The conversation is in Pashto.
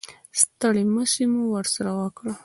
ستړې مسې مو ورسره وکړه.